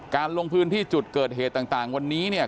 การลงพื้นที่จุดเกิดเหตุต่างวันนี้